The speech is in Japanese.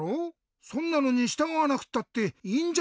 そんなのにしたがわなくたっていいんじゃないの？